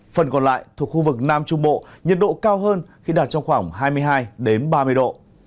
phần còn lại thuộc khu vực nam trung bộ nhiệt độ cao hơn khi đạt trong khoảng hai mươi hai ba mươi độ